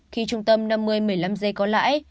khi trung tâm năm nghìn một mươi năm g có lại